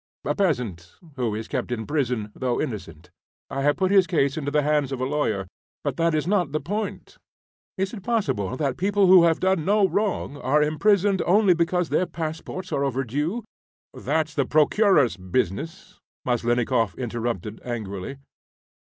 "A peasant who is kept in prison, though innocent. I have put his case into the hands of a lawyer. But that is not the point." "Is it possible that people who have done no wrong are imprisoned only because their passports are overdue? And ..." "That's the Procureur's business," Maslennikoff interrupted, angrily.